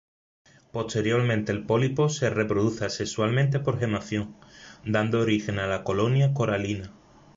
Posteriormente, el pólipo se reproduce asexualmente por gemación, dando origen a la colonia coralina.